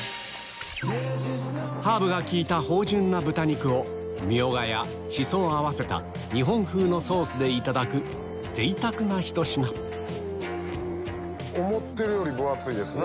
ハーブが利いた芳醇な豚肉をミョウガやシソを合わせた日本風のソースでいただく贅沢なひと品思ってるより分厚いです。